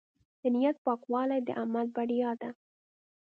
د نیت پاکوالی د عمل بریا ده.